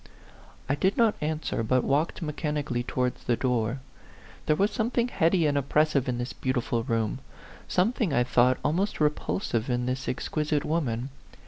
I did not answer, but walked mechanical ly towards the door. There was something heady and oppressive in this beautiful room ; something, I thought, almost repulsive in this exquisite woman.